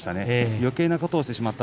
よけいなことをしてしまった。